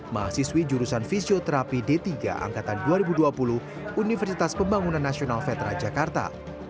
mahasiswi jurusan fisioterapi d tiga angkatan dua ribu dua puluh universitas pembangunan nasional veteran jakarta